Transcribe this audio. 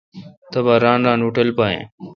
تبا ران ران اوٹل پہ این۔